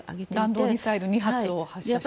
弾道ミサイル２発を発射しました。